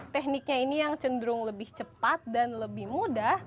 tekniknya ini yang cenderung lebih cepat dan lebih mudah